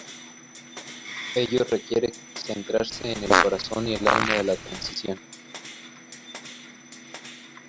Ello requiere centrarse en el corazón y el alma de la transición.